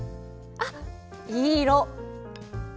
あっいい色。